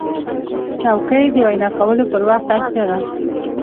چوکۍ د وینا کولو پر وخت اړتیا ده.